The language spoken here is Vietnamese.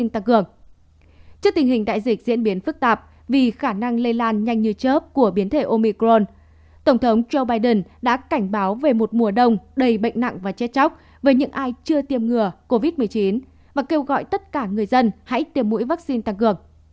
trước tình hình đại dịch diễn biến phức tạp vì khả năng lây lan nhanh như chớp của biến thể omicron tổng thống joe biden đã cảnh báo về một mùa đông đầy bệnh nặng và chết chóc với những ai chưa tiêm ngừa covid một mươi chín và kêu gọi tất cả người dân hãy tiêm mũi vaccine tăng cường